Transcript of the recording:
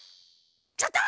ちょっと！